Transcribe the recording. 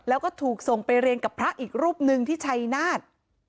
แล้วก็ถูกส่งไปเรียนกับพระอีกรูปหนึ่งที่ชัยนาฏ